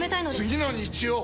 次の日曜！